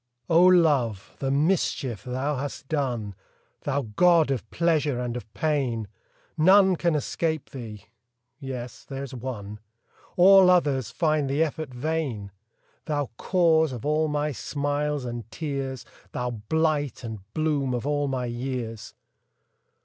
LOVE ! the mischief thou hast done ! Thou god of pleasure and of pain ! None can escape thee yes there s one All others find the effort vain : Thou cause of all my smiles and tears ! Thou blight and bloom of all my years ! 70 LINES.